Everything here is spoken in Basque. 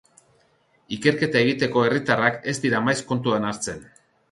Ikerketa egiteko herritarrak ez dira maiz kontuan hartzen.